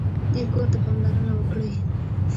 دې کور ته پاملرنه وکړئ.